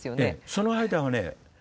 その間はね